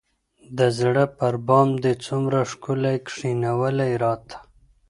د زړه پر بام دي څومره ښكلي كښېـنولي راته